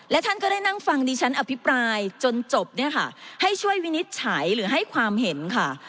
และท่านก็ได้นั่งฟังดิฉันอภิปรายจนจบเนี่ยค่ะให้ช่วยวินิจฉัยหรือให้ความเห็นค่ะ